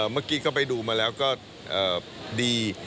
เมื่อกี้ก็ไปดูมาแล้วก็ดี